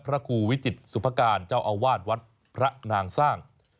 พระครูวิจิตรสุภาการเจ้าอาวาสวัดพระนางสร้าง